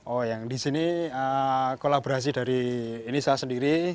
oh yang di sini kolaborasi dari ini saya sendiri